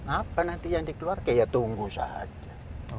apa nanti yang dikeluarkan ya tunggu saja